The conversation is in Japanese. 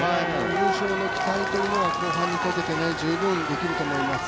入賞の期待というのは後半にかけて十分、できると思います。